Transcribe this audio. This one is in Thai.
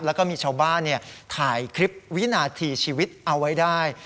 แล้วก็มีชาวบ้านถ่ายคลิปวินาทีชีวิตเอาไว้ได้